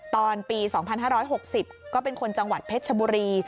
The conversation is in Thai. ตอนปี๒๕๖๐ก็เป็นคนจังหวัดเพชรชบุรี